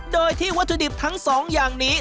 โดยที่วัตถุดิบทั้งสองอย่างนี้